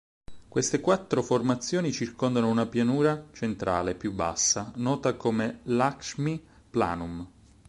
Queste quattro formazioni circondano una pianura centrale, più bassa, nota come Lakshmi Planum.